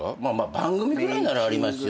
番組ぐらいならありますよね。